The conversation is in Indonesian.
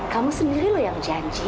kamu sendiri loh yang janji